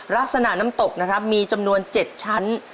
ลักษณะน้ำตกมีจำนวน๗ชั้น